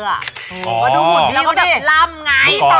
อ๋อแล้วก็แบบลำไงพี่ต๊อก